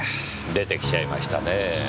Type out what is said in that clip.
出てきちゃいましたねぇ。